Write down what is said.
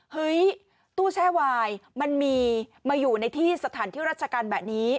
เฮ้ยตู้แช่วายมันมีมาอยู่ในที่สถานที่ราชการแบบนี้